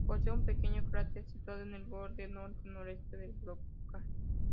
Posee un pequeño cráter situado en el borde norte-noreste del brocal.